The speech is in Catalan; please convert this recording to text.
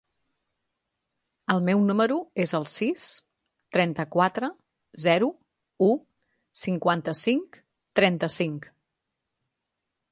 El meu número es el sis, trenta-quatre, zero, u, cinquanta-cinc, trenta-cinc.